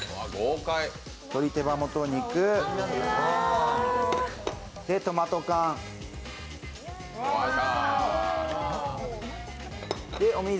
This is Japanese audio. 鶏手羽元肉、トマト缶、お水。